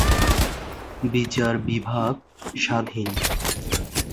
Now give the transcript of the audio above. বিচার বিভাগ স্বাধীন।